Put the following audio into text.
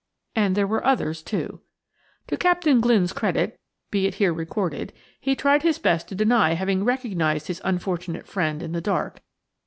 And there were others, too. To Captain Glynne's credit, be it here recorded, he tried his best to deny having recognized his unfortunate friend in the dark.